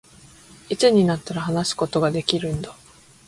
いつになったら、話すことができるんだ